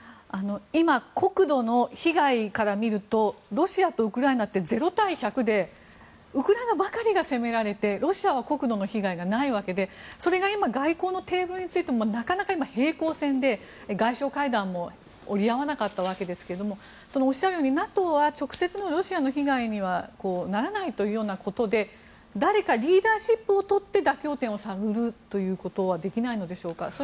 今、国土の被害から見るとロシアとウクライナは０：１００でウクライナばかりが攻められてロシアは国土の被害がないわけで、それが今外交のテーブルについてもなかなか平行線で外相会談も折り合わなかったんですがおっしゃるようにＮＡＴＯはロシアの被害にはならないということで誰かリーダーシップをとって妥協点を探るということはできないのでしょうか。